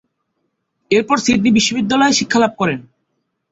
এরপর সিডনি বিশ্ববিদ্যালয়ে শিক্ষালাভ করেন।